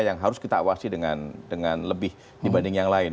yang harus kita awasi dengan lebih dibanding yang lain